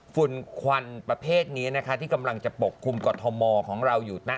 ฝุ่นควันประเภทนี้นะคะที่กำลังจะปกคลุมกรทมของเราอยู่นะ